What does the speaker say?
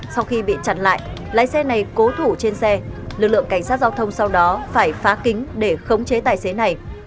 sau khi bị chặn lại lái xe này cố thủ trên xe lực lượng cảnh sát giao thông sau đó phải phá kính để khống chế tài xế này